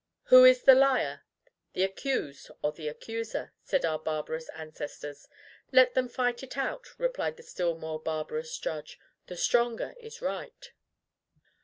"Who is the liar, the accused or the accuser?" said our barbarous ancestors. "Let them fight it out," replied the still more barbarous judge; "the stronger is right."